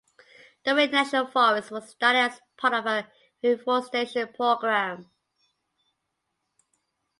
The Wayne National Forest was started as part of a reforestation program.